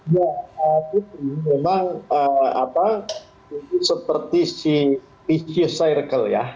ya itu memang seperti si vicious circle ya